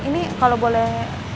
ini kalau boleh